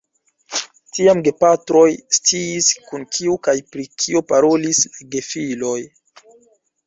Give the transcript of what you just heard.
Tiam gepatroj sciis, kun kiu kaj pri kio parolis la gefiloj.